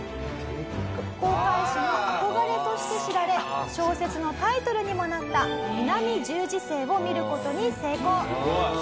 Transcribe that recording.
航海士の憧れとして知られ小説のタイトルにもなった南十字星を見る事に成功。